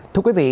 thưa quý vị